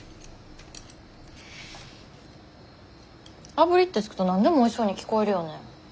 あぶりって付くと何でもおいしそうに聞こえるよね。